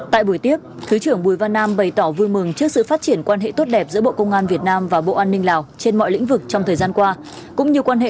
tại buổi tiếp thứ trưởng bùi văn nam bày tỏ vui mừng trước sự phát triển quan hệ tốt đẹp giữa bộ công an việt nam và bộ an ninh lào trên mọi lĩnh vực trong thời gian qua